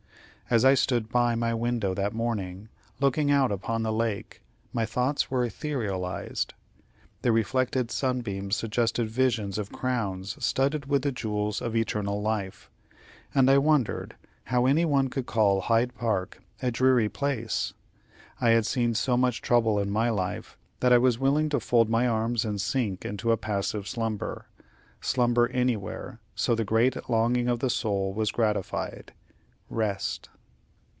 As I stood by my window that morning, looking out upon the lake, my thoughts were etherealized the reflected sunbeams suggested visions of crowns studded with the jewels of eternal life, and I wondered how any one could call Hyde Park a dreary place. I had seen so much trouble in my life, that I was willing to fold my arms and sink into a passive slumber slumber anywhere, so the great longing of the soul was gratified rest.